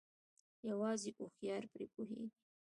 يوازې هوښيار پري پوهيږي